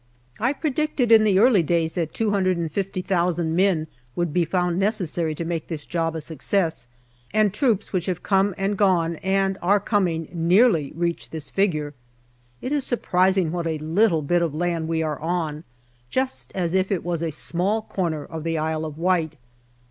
I predicted in the early days that 250,000 men would be 12 178 GALLIPOLI DIARY found necessary to make this job a success ; and troops which have come and gone, and are coming, nearly reach this figure. It is surprising what a little bit of land we are on, just as if it was a small corner of the Isle of Wight.